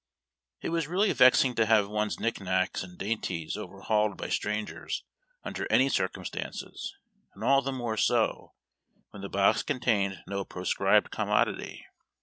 It was really vexing to have one's knick knacks and dain ties overliauled by strangers under ani/ circumstances, and .all the more so when the box contained no proscribed com modity.